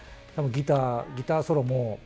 ギターソロも。